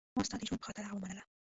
ما ستا د ژوند په خاطر هغه ومنله.